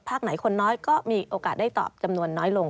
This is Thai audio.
ไหนคนน้อยก็มีโอกาสได้ตอบจำนวนน้อยลง